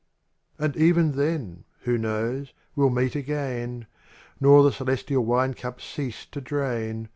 ND even then — who knows — we'll meet again. Nor the celestial wine cup cease to drain.